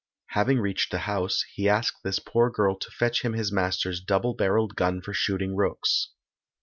Having reached the house, he asked this poor girl to fetch him his master's double barrelled gun for shooting rooks.